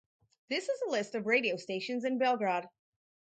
This is a list of radio stations in Belgrade.